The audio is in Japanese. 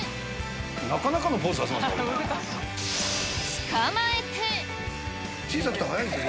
なかなかのポーズさせますね。